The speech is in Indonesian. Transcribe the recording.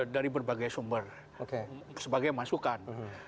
dari berbagai sumber sebagai masukan